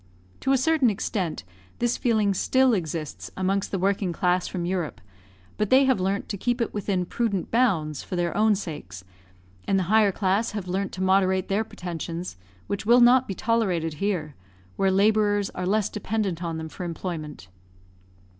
To a certain extent, this feeling still exists amongst the working class from Europe, but they have learnt to keep it within prudent bounds for their own sakes; and the higher class have learnt to moderate their pretensions, which will not be tolerated here, where labourers are less dependent on them for employment.